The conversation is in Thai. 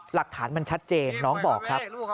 หลักฐานมันชัดเจนน้องบอกครับ